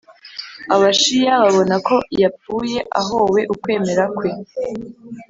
abashiya babona ko yapfuye ahowe ukwemera kwe